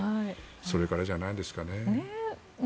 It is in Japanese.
それからじゃないんですかね。